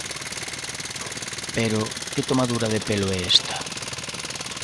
Pero ¿que tomadura de pelo é esta?